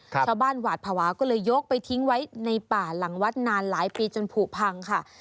ชาวบ้านหวาดภาวะก็เลยยกไปทิ้งไว้ในป่าหลังวัดนานหลายปีจนผูกพังค่ะ